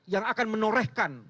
yang akan menorehkan